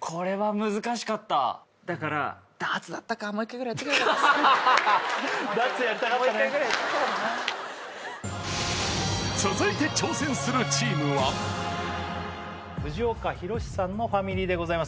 これは難しかっただからダーツだったかダーツやりたかったねもう一回ぐらい続いて挑戦するチームは藤岡弘、さんのファミリーでございます